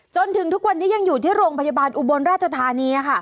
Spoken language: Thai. จนถึงทุกวันนี้ยังอยู่ที่โรงพยาบาลอุบลราชธานี